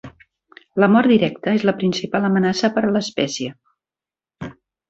La mort directa és la principal amenaça per a l'espècie.